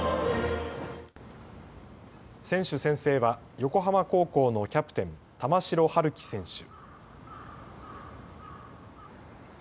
選手宣誓は横浜高校のキャプテン、玉城陽希選手。